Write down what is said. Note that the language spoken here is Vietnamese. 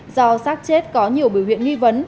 do sát chết có nhiều biểu hiện nghi vấn